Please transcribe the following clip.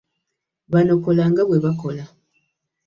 Bano kola nga bwe bakola.